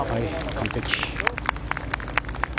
完璧。